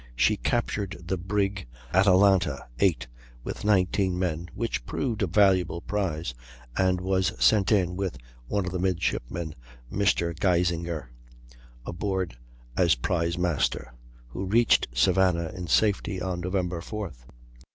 she captured the brig Atalanta, 8, with 19 men, which proved a valuable prize, and was sent in with one of the midshipmen, Mr. Geisinger, aboard, as prize master, who reached Savannah in safety on Nov. 4th.